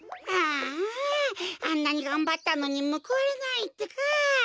あああんなにがんばったのにむくわれないってか。